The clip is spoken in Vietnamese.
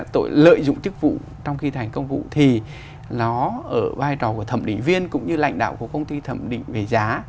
tội lợi dụng chức vụ trong khi thành công vụ thì nó ở vai trò của thẩm định viên cũng như lãnh đạo của công ty thẩm định về giá